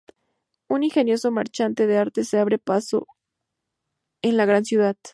Un ingenioso marchante de arte se abre paso en la gran ciudad.